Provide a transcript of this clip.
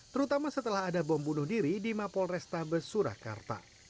terutama setelah ada bom bunuh diri di mapolresta besurakarta